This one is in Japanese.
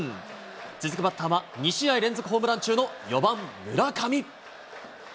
続くバッターは、２試合連続ホームラン中の４番村上。